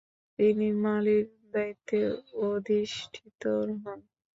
তিনি মালির দায়িত্বে অধিষ্ঠিত হন।